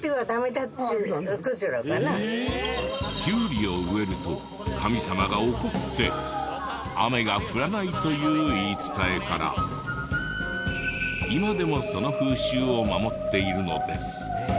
キュウリを植えると神様が怒って雨が降らないという言い伝えから今でもその風習を守っているのです。